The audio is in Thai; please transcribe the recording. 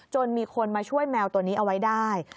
มีคนมาช่วยแมวตัวนี้เอาไว้ได้